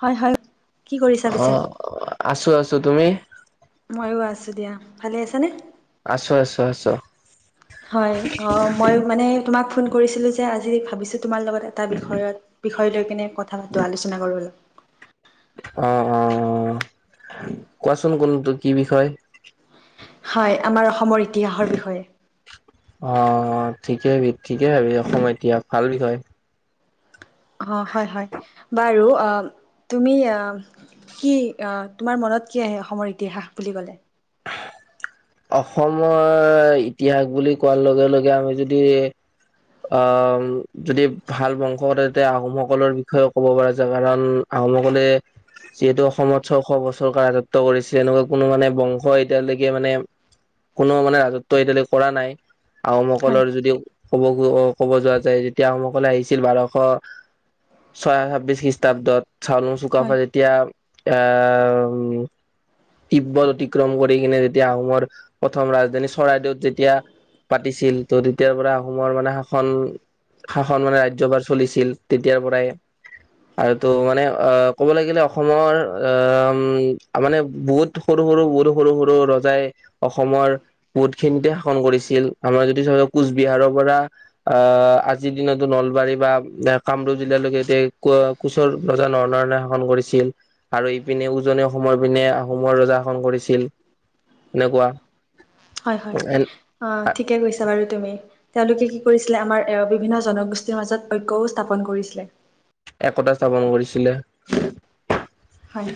হয় হয় কি কৰিছা পিছে? আহ আছো আছো তুমি ময়ো আছো দিয়া ভালে আছা নে আছো আছো আছো হয়, অ', মই মানে তোমাক ফোন কৰিছিলো যে আজি ভাবিছো তোমাৰ লগত এটা বিষয়ত বিষয় লৈ কিনে কথা পাতো আলোচনা কৰো অলপ। অ', অ', কোৱাচোন কোনটো কি বিষয়? হয়, আমাৰ অসমৰ ইতিহাসৰ বিষয়ে। অ', ঠিকে হাবি, ঠিকে ভাবি, এতিয়া ভাল বিষয়। অ', হয় হয়। বাৰু অ তুমি আহ কি আহ তোমাৰ মনত কি আহে অসমৰ ইতিহাস বুলি কলে অসমৰ ইতিহাস বুলি কোৱাৰ লগে লগে আমি যদি আহ যদি ভাল বংশ কৰে তেতিয়া আহোমসকলৰ বিষয়ে ক'ব পৰা যায় কাৰণ আহোমসকলে যিহেতু অসমত ছয়শ বছৰকাল ৰাজত্ব কৰিছে এনেকুৱা কোনো মানে বংশ এতিয়ালৈকে ক মানে কোনো মানে ৰাজত্ব এতিয়ালৈে কৰা নাই হয় আহোমসকলৰ যদি ক'ব ক'ব যোৱা যায় যেতিয়া আহোমসকলে আহিছিল বাৰশ ছয় ছাব্বিশ খ্ৰীষ্টাব্দত চাউলুং হয়। চুকাফা যেতিয়া এ উ তিব্বত অতিক্ৰম কৰি কিনে যেতিয়া আহোমৰ প্ৰথম ৰাজধানী চৰাইদেউত যেতিয়া পাতিছিল ত' তেতিয়াৰ পৰা আহোমৰ মানে শাসন শাসন মানে ৰাজ্যভাৰ চলিছিল তেতিয়াৰ পৰাই আৰু তো মানে অ ক'ব লাগিলে অসমৰ অ মানে বহুত সৰু সৰু সৰু সৰু সৰু সৰু ৰজাই অসমৰ বহুতখিনিতে শাসন কৰিছিল আমাৰ যদি চ যায় কোচবিহাৰৰ পৰা আহ আজিৰ দিনতো নলবাৰী বা কামৰূপ জিলালৈকে এতিয়া কোচৰ ৰজা নৰনাৰায়ণে শাসন কৰি চিল আৰু ইপিনে উজনে অসমৰ পিনে আহোমৰ ৰজা শাসন কৰিছিল এনেকুৱা হয় হয় অ ঠিকে কৈছা বাৰু তুমি তেওঁলোকে কি কৰিছিলে আমাৰ এ বিভিন্ন জনগোষ্ঠীৰ মাজত ঐক্যও স্থাপন কৰিছিলে একতা স্থাপন কৰিছিলে হয়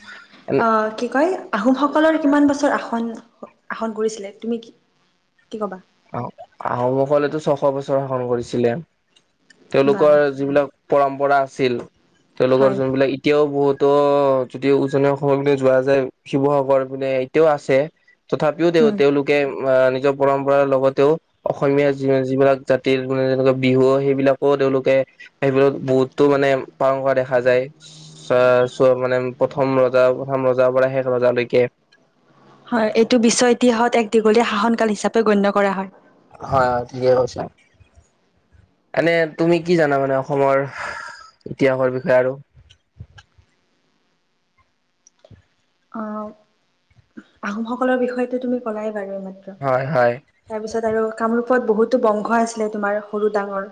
অ কি কয় আহোমসকলৰ কিমান বছৰ আসন আসন কৰিছিলে তুমি কি কি কবা আহ আহোমসকলেতো ছশ বছৰ শাসন কৰিছিলে বাহ। তেওঁলোকৰ যিবিলাক পৰম্পৰা আছিল তেওঁলোকৰ হয় যোনবিলাক এতিয়াও বহুত ত' যদি উজনি অসমযৰ পিনে যোৱা যায় শিৱসাগৰ পিনে এতিয়াও আছে তথাপিও তেওঁ উম তেওঁলোকে আহ নিজৰ পৰম্পৰা পৰাৰ লগতেও অসমীয়াি যিবিলাক জাতিৰ মানে যেনেকুৱা বিহু সেইবিলাকো তেওঁলোকে সেইবিলত বহুতো মানে পালন কৰা দেখা যায় চ চ' মানে প্ৰথম ৰজা প্ৰথম ৰজাৰ পৰা শেষ ৰজালৈকে হয় এইটো বিশ্ব ইতিহাসত এক দীঘলীয়া শাসনকাল হিচাপে গণ্য কৰা হয় হয় থিকে কৈছা এনে তুমি কি জানা মানে অসমৰ ইতিহাসৰ বিষয়ে আৰু [inaudible] অ আহোমসকলৰ বিষয়তো তুমি কলাই আৰু মাত্ৰ হয় হয় তাৰপিছত আৰু কামৰূপত বহুতো বংশ আছিলে তোমাৰ সৰু ডাঙৰ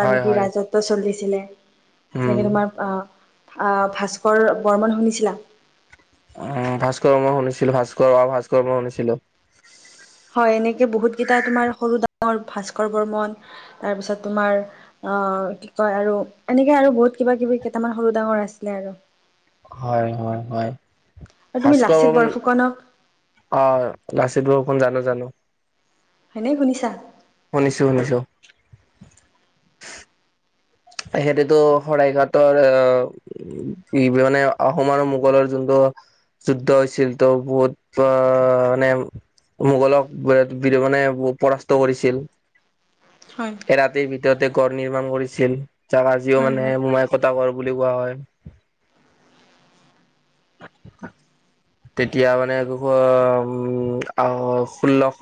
যাৰ হয় নেকি হয় ৰাজত্ব চলিছিলে তেনেকে উম তোমাৰ আহ ভাস্কৰ বৰ্মন শুনিছিলা উ ভাস্কৰবৰ্মন শুনিছিলো ভাস্কৰ আৰু ভাস্কৰ মই শুনিছিলো হয় এনেকে বহুত কেইটা তোমাৰ সৰু ডাঙৰ ভাস্কৰ বৰ্মন তাৰ পিছত তোমাৰ কি কয় আৰু এনেকৈ আৰু বহুত কিবা কিবি কেইটামান সৰু ডাঙৰ আছিলে আৰু হয় হয় হয় আৰু তুমি ভাস্কৰ লাচিত বৰ্মন বৰফুকনক অ লাচিত বৰফুকন জানো জানো হয়নে শুনিছা শুনিছো শুনিছো সিহটোতো শৰাইঘাটৰ আহ কি মানে আহোম আৰু মোগলৰ যোনটো যুদ্ধ হৈছিল তো বহুত আহ মানে মোগলক মানে পৰাস্ত কৰিছিল হয় এ ৰাতিৰ ভিতৰতে গড় নিৰ্মাণ কৰিছিল যাৰ আজিও হয় হয় মানুহে মোমাই সাগৰ বুলি কোৱা হয় [inaudible] তেতিয়া মানে একশ উম আহ ষোল্লশ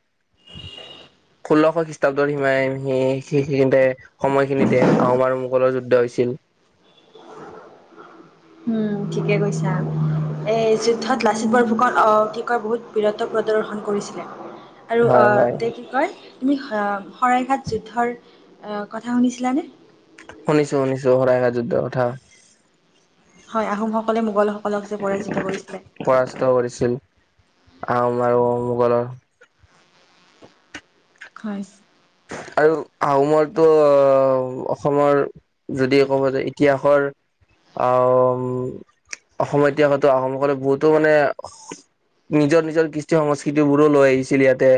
[unintelligible] ষোল্লশ খ্ৰীষ্টাব্দৰ সীমাই স সেইতে সময়খিনিতে আহোম আৰু মোগলৰ যুদ্ধ হৈছিল [inaudible] উম ঠিকে কৈছা এ যুদ্ধত লাচিত বৰ আহ কি কয় বহুত বীৰত্ব প্ৰদৰ্শন কৰিছিলে আৰু হয় আহ হয় তেওঁ কি কয় তুমি শৰাইঘাট যুদ্ধৰ কথা শুনিছিলানে শুনিছো শুনিছো শৰাইঘাটৰ যুদ্ধৰ কথা হয় আহোমসকলে মোগলসকলক পৰাজিত কৰিছিলে পৰাস্ত কৰিছিল। আহোম আৰু মোগলৰ হয় আৰু আহোমৰটো অসমৰ যদি ক'ব যায় ইতিহাসৰ আহ অসমত ইতিহাসততো আহোমকলক বহুতো মানে নিজৰ নিজৰ কৃষ্টি সংস্কৃতিবোৰো লৈ আহিছিল ইয়াতে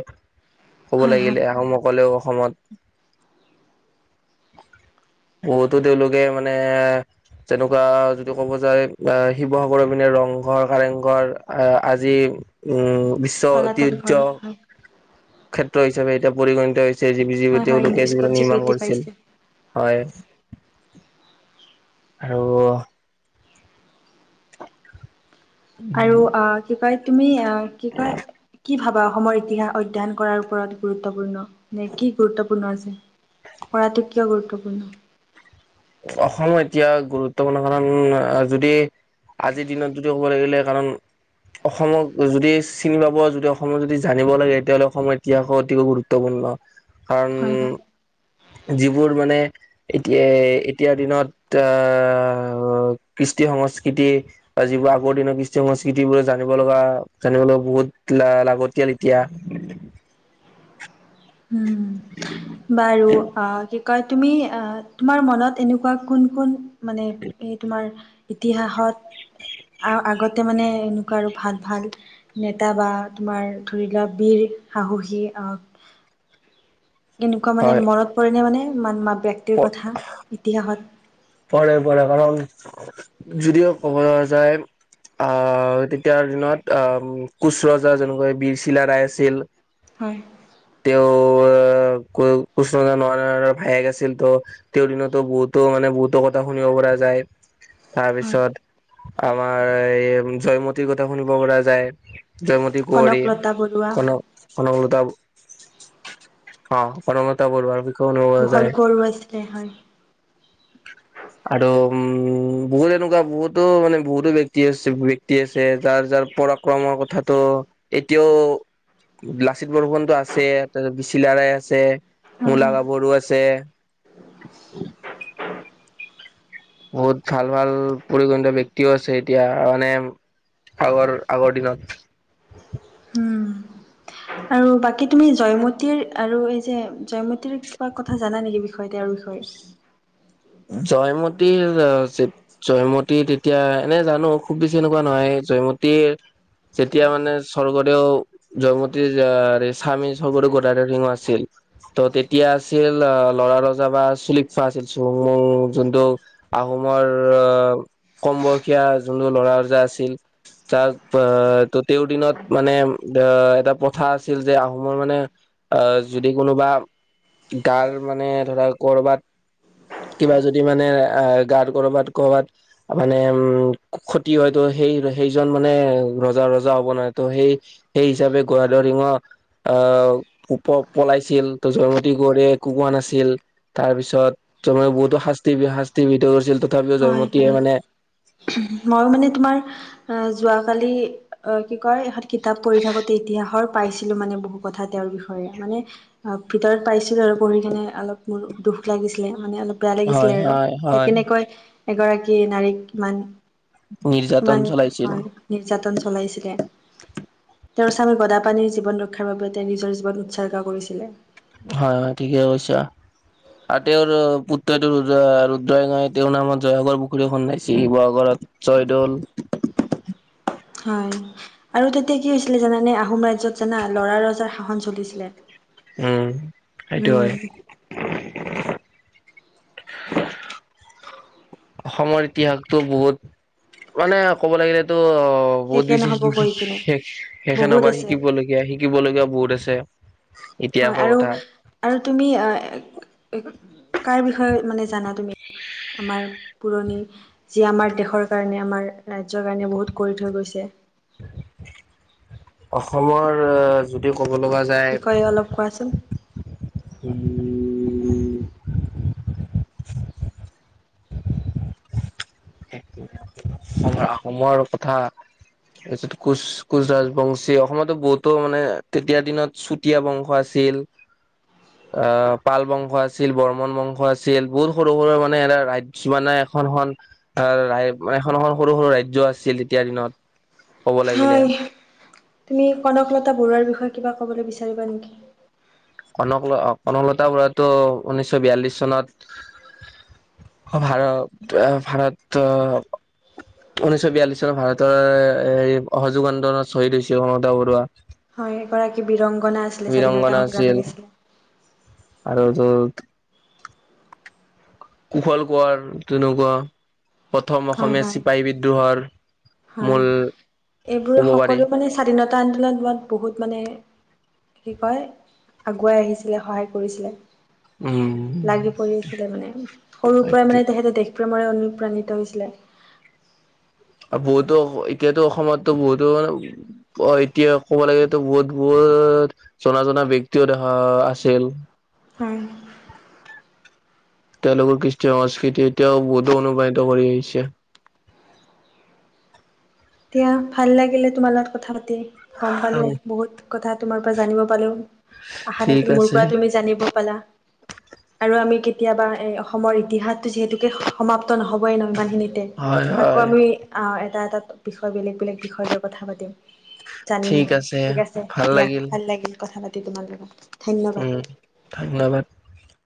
ক'ব হয় লাগিলে হয় আহোমসকলেও অসমত [inaudible] বহুতো তেওঁলোকে মানে তেনেকুৱা যদি ক'ব যায় শিৱসাগৰৰ পিনে ৰংঘৰ কাৰেংঘৰ আহ আজি উম বিশ্ব তলাতল ঘৰ ঐতিহহ্য হয় ক্ষেত্ৰ হিচাপে এতিয়া পৰিগণিত হৈছে জ হয় হয় তেওঁলোকে ইউনেস্কোত য নিৰ্মাণ স্বীকৃতি কৰিছিল পাইছে হয় আৰু আৰু অ কি কয় তুমি অ কি কয় কি ভাব বা অসমৰ ইতিহাস অধ্যয়ন কৰাৰ ওপৰত গুৰুত্বপূৰ্ণ নে কি গুৰুত্বপূৰ্ণ আছে কৰাটো কিয় গুৰুত্বপূৰ্ণ। অসমৰ এতিয়া গুৰুত্বপূৰ্ণ কাৰণ যদি আজিৰ দিনত যদি ক'ব লাগিলে কাৰণ অসমক যদি চিনি পাব যদি অসমত যদি জানিব লাগে তেতিয়াাহ'লে অসমৰ ইতিহাস অতিকৈ গুৰুত্বপূৰ্ণ। কাৰণ হয় হয় যিবোৰ মানে এতিয়া এতিয়াৰ দিনত আহ কৃষ্টি সংস্কৃতি যিবোৰ আগৰ দিনৰত কৃষ্টি সংচ সংস্কৃতি বো জানিব লগা জানিব লগা বহুত ল লাগতিয়াল ইতিহাস [unintelligible] উম বাৰু অ কি কয় তুমি আহ তোমাৰ মনত এনেকুৱা কোন কোন মানে, এই তোমাৰ ইতিহাসত। আ আগতে মানে এনেকুৱা আৰু ভাল ভাল নেতা বা তোমাৰ ধৰি লোৱা বীৰ। সাহসী আহ। এনেকুৱা মানে হয় মনত পৰে ন মানে মান মা ব্যক্তিৰ কথা ইতিহাসত। পঢ়ে পঢ়ে, কাৰণ যদিও [unintelligible] যায়। আহ, তেতিয়াৰ দিনত আহ কোচ ৰজা যেনেকৈ বীৰ চিলাৰাই আছিল। হয় তেওঁ [unintelligible] ভায়েক আছিল তো তেওঁৰ দিনতো বহুতো মানে বহুত কথা শুনিব পৰা যায়, হয় তাৰপিছত আমাৰ এই জয়মতীৰ কথা শুনিব পৰা যায় জয়মতী কুঁৱৰী, কনকলতা বৰুৱা কনক-কনকলতা। অ' কনকলতা বৰুৱা। কোহল কুঁৱৰো আছিলে হয়। আৰু উম বহুত এনেকুৱা বহুতো মানে বহুতো ব্যক্তি আছে ব্যক্তি আছে তাৰ তাৰ পৰাক্ৰমৰ কথাটো এতিয়াও লাচিত বৰষুণ টো আছে তাৰপিছত বীৰ চিলাৰাই আছে। হয় মূলা হয় গাভৰু আছে। বহুত ভাল ভাল পৰিগণিত ব্যক্তিও আছে এতিয়া মানে, আগৰ আগৰ দিনত। উম। আৰু বাকী তুমি জয়মতীৰ আৰু এই যে জয়মতীৰ কিবা কথা জানা নেকি বিষয় তেওঁৰ বিষয়ে? [inaudible] জয়মতীৰ অ, জয়মতী তেতিয়া এনে জানো খুব বেছি এনেকুৱা নহয় জয়মতীৰ যেতিয়া মানে স্বৰ্গদেউ জয়মতীৰ স্বামী স্বৰ্গদেউ গদাদেৱ সিংহ আছিল ত' তেতিয়া আছিল অ' ল'ৰা ৰজা বা চুলফোৱা আছিল অ', অ', যোনটো আহোমৰ কম বয়সীয়া যোনটো ল'ৰা ওজা আছিল তাৰ আহ, ত' তেওঁৰ দিনত মানে এ এটা প্ৰথা আছিল যে আহোমৰ মানে আহ, যদি কোনোবা গাৰ মানে ধৰা কৰ'বাত কিবা যদি মানে আহ গাৰ কৰ'বাত-কৰ'বাত মানে উম, ক্ষতি হয়তো সেই-সেইজন মানে ৰজা-ৰজা হ'ব নোৱাৰে ত সেই সেই হিচাপে গাদৰিঙ। আহ, উপৰ পলাইছিল ত জয়মতী কৰি একো কোৱা নাছিল তাৰ পিছত, ত'মই বহুতো শাস্তি -শাস্তি ভিতৰত আছিলটো। হয়- হয় মইয় মানে তোমাৰ অ, যোৱাকালি অ কি কয় এখন কিতাপ পঢ়ি থাকোতে ইতিহাসৰ পাইছিলো মানে বহু কথা তেওঁৰ বিষয়ে মানে অ, ভিতৰত পাইছিলো আৰু পঢ়ি কিনে অলপ মোৰ দুুখ লাগিছিলে মানে অলপ বেয়া লাগিছিলে হয় আৰু হয় যে হয় কেনেকৈ এগৰাকী নাৰীক ইমান নিৰ্যাতন ইমান চলাইছিল হয় নিৰ্যাতন চলাইছিলে। তেওঁৰ স্বামী গদাপানীৰ জীৱন ৰক্ষাৰ বাবে তেওঁ নিজৰ জীৱন উৎসৰ্গা কৰিছিলে। হয়-হয় ঠিকে কৈছা। অ, তেওঁৰ পুত্ৰটো ৰুদ্ৰ - ৰুদ্ৰসিংহই তেওঁৰ নামত জয়সাগৰ পুখুৰী খন্দাইছিল শিৱসাগৰত। জয়দৌল [inaudible] হয় আৰু তেতিয়া কি হৈছিলে জানানে আহোম ৰাজ্যত জানা লৰা ৰজাৰ শাসন চলিছিলে। উম, সেইটো উম হয়। [unintelligible] অসমৰ ইতিহাসটো বহুত মানে ক'ব লাগিলেটো অ, বহুত শেষে বিচেষ নহব কৈ কিনে বহুত সেইখনবাৰ আছে শিকিবলগীয়া- শিকিবলগীয়া বহুত আছে। হয় ইতিহাসৰ কথা আৰু-আৰু তুমি অ [unintelligible] কাৰ বিষয়ে মানে জানা তুমি? আমাৰ পুৰণি যিয়ে আমাৰ দেশৰ কাৰণে আমাৰ ৰাজ্যৰ কাৰণে বহুত কৰি থৈ গৈছে। অসমৰ যদি ক'ব লগা যায় বিষয়ে অলপ কোৱাচোন উম, আহোমৰ কথা তাৰপিছত কোচ কোচ ৰাজবংশী, অসমতো বহুতো মানে তেতিয়া দিনত চুতীয়া বংশ আছে চল অ', পাল বংশ আছিল, বৰ্মন বংশ আছিল বহুত সৰু সৰু মানে এটা ৰাজ্য মানে এখনখন ৰা এখন এখন সৰু সৰু ৰাজ্য আছিল তেতিয়াৰ দিনত। ক'ব লাগিলে হয়, তুমি কনকলতা বৰুৱাৰ বিষয়ে কিবা ক'বলৈ বিচাৰিবা নেকি? কনক কনকলতা বৰাটো ঊনৈশ বিয়াল্লিশ চনত অ', ভাৰত ভাৰত ঊনৈছ বিয়াল্লিছ চনত ভাৰতৰ এই অসহযোগ আন্দোলনত শ্বহীদ হৈছে মমতা বৰুৱা। হয় এগৰাকী বিৰংগনা আছিলে স্বাধীনতা বীৰংগনা সংগ্ৰামী আছিল আছিলে। আৰু তোৰ কুশল কোঁৱৰ তেনেকুৱা প্ৰথম হয় অসমীয়া হয় চিপাহী বিদ্ৰোহৰ হয় মূল এইবোৰে ক'ব পাৰি সকলো মানে স্বাধীনতা আন্দোলন মাত বহুত মানে কি কয় আগুৱাই আহিছিলে সহায় কৰিছিলে। উম লাগি পৰি আছিলে মানে সৰুৰ পৰাই মানে তেহেতে দেশ প্ৰেমৰে অনুপ্ৰাণিত হৈছিলে। আৰু বহুতো এতিয়াতো অসমতো বহুতো মানে অ, এতিয়া ক'ব লাগে বহুত বোৰ জনা জনা ব্যক্তিও দেখা আছিল হয়। তেওঁলোকৰ কৃষ্টি সংস্কৃতি এতিয়াও বোধো অনুপ্ৰাণিত কৰি আহিছে এতিয়া ভাল লাগিলে তোমাৰ লগত কথা পাতি গম পালোঁ উম, বহুত কথা তোমাৰ পৰা জানিব পালোঁ। আশা ঠিক থাকিল মোৰ আছে পৰা তুমি জানিব পালা, আৰু আমি কেতিয়াবা এই অসমৰ ইতিহাসতটো যিহেতুকে সমাপ্ত নহবই নহয় মান নিতে হয়, আকৌ হয়, আমি এটা এটা বিষয় বেলেগ বেলেগ বিষয় লৈ কথা পাতিম। জানিম মানে ঠিক আছে দিয়া ভাল লাগিল কথা পাতি তোমাৰ লগত। ধন্যবাদ। উম ধন্যবাদ।